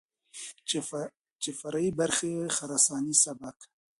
چې فرعي برخې خراساني سبک،